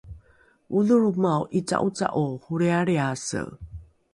odholromao ’ica’oca’o holrialriase